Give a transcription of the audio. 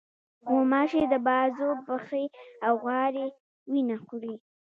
غوماشې د بازو، پښې، او غاړې وینه خوري.